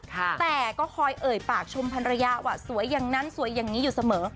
แต่ก็คอยเอ่ยปากชมพันรยาว่าสวยอย่างนั้นสวยอย่างนี้อยู่เสมอ